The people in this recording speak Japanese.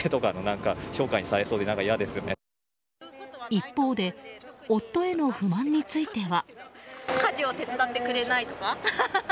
一方で夫への不満については。